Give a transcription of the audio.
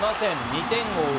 ２点を追う